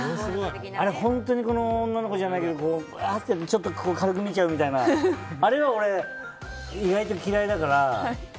あれは本当に女の子じゃないけどちょっと隠して軽く見ちゃうみたいなあれは俺、意外と嫌いだから。